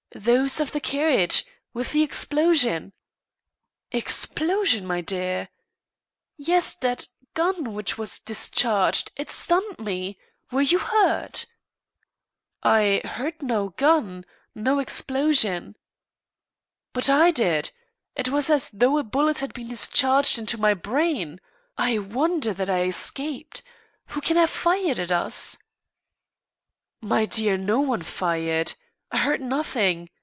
"Those of the carriage with the explosion." "Explosion, my dear!" "Yes. That gun which was discharged. It stunned me. Were you hurt?" "I heard no gun no explosion." "But I did. It was as though a bullet had been discharged into my brain. I wonder that I escaped. Who can have fired at us?" "My dear, no one fired. I heard nothing.